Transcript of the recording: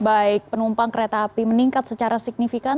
baik penumpang kereta api meningkat secara signifikan